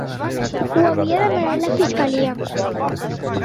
Ho havia demanat la fiscalia.